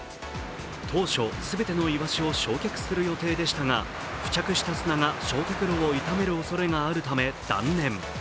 当初、全てのいわしを焼却する予定でしたが付着した砂が焼却炉を傷めるおそれがあるため断念。